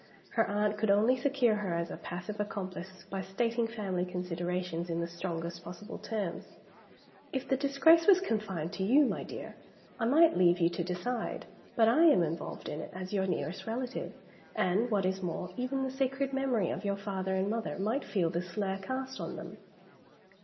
Her aunt could only secure her as a passive accomplice by stating family considerations in the strongest possible terms. "If the disgrace was confined to you, my dear, I might leave you to decide. But I am involved in it, as your nearest relative; and, what is more, even the sacred memories of your father and mother might feel the slur cast on them."